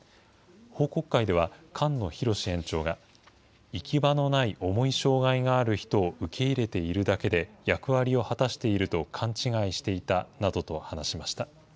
報告会では、菅野大史園長が、行き場のない重い障害がある人を受け入れているだけで、役割を果たしていると勘違いしていたなどと話しました。